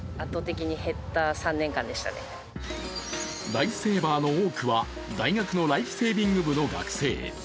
ライフセーバーの多くは大学のライフセービング部の学生。